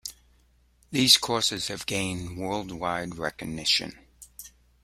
These courses have gained worldwide recognition.